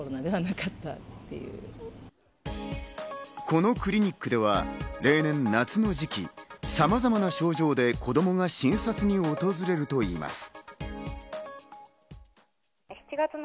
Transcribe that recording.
このクリニックでは例年、夏の時期に様々な症状で子供が診察に訪れるといいます。